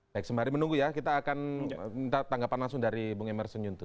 baik sembari menunggu ya kita akan minta tanggapan langsung dari bung emerson yuntus